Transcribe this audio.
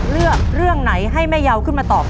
น้องป๋องเลือกเรื่องระยะทางให้พี่เอื้อหนุนขึ้นมาต่อชีวิต